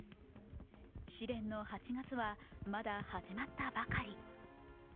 試練の８月はまだ始まったばかり。